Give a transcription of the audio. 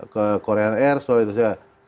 ke korean air seoul indonesia